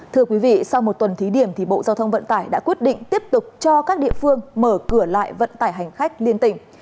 thưa quý vị sau một tuần thí điểm thì bộ giao thông vận tải đã quyết định tiếp tục cho các địa phương mở cửa lại vận tải hành khách liên tỉnh